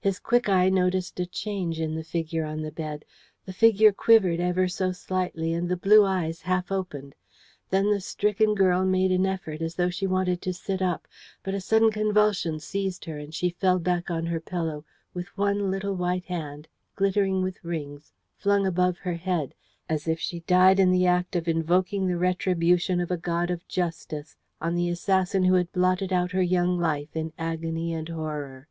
His quick eye noticed a change in the figure on the bed. The face quivered ever so slightly, and the blue eyes half opened. Then the stricken girl made an effort as though she wanted to sit up, but a sudden convulsion seized her, and she fell back on her pillow, with one little white hand, glittering with rings, flung above her head, as if she died in the act of invoking the retribution of a God of justice on the assassin who had blotted out her young life in agony and horror.